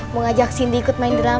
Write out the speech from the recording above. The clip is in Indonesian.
mau ajak sindi ikut main drama